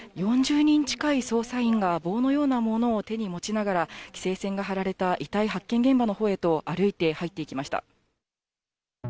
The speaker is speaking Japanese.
４０人近い捜査員が棒のようなものを手に持ちながら、規制線が張られた遺体発見現場のほうへと歩いて入っていきました。